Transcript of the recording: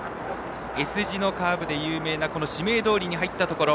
Ｓ字のカーブで有名な紫明通に入ったところ。